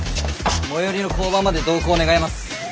最寄りの交番まで同行願います。